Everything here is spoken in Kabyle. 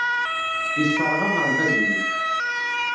Yesserɣ aɣerbaz-nni.